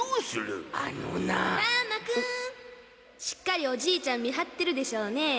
しっかりおじいちゃん見張ってるでしょうね